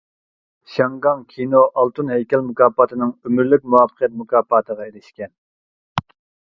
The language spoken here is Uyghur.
شياڭگاڭ كىنو ئالتۇن ھەيكەل مۇكاپاتىنىڭ ئۆمۈرلۈك مۇۋەپپەقىيەت مۇكاپاتىغا ئېرىشكەن.